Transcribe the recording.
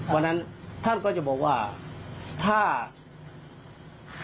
วันนั้นท่านก็จะบอกว่าถ้าเราทำให้คนอื่นเป็นบาป